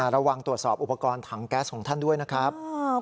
ระวังตรวจสอบอุปกรณ์ถังแก๊สของท่านด้วยนะครับ